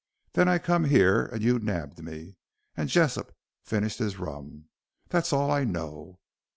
Then I come here and you nabbed me," and Jessop finished his rum. "That's all I know."